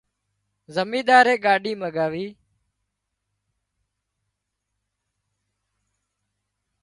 زمينۮارئي ڳاڏي مڳاوِي